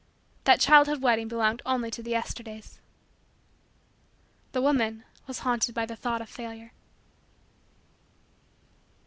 That child wedding belonged only to the Yesterdays. The woman was haunted by the thought of Failure.